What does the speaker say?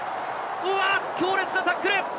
強烈なタックル！